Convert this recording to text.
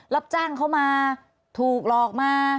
รับจ้างเข้ามาถูกหลอกมา